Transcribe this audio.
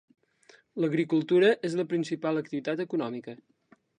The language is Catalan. L'agricultura és la principal activitat econòmica.